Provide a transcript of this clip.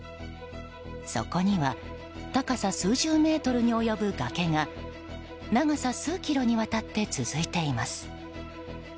そこには高さ数十メートルに及ぶ崖が長さ数キロにわたって続いています。